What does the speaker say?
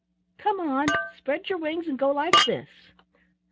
Come on! Spread your wings and go like this.